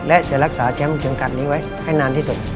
และจะรักษาแชมป์เข็มขัดนี้ไว้ให้นานที่สุด